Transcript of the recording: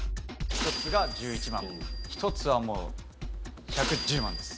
１つが１１万１つはもう１１０万です。